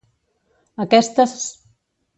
Aquestes s